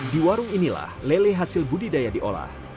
di warung inilah lele hasil budidaya diolah